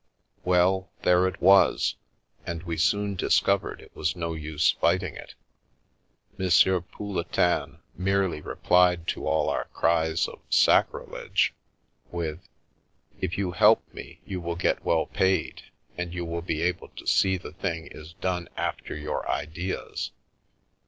Well, there it was, and we soon discovered it was no use fighting it. M. Pouletin merely replied to all our cries of " Sacrilege! " with: " If you help me you will get well paid, and you will be able to see the thing is done after your ideas.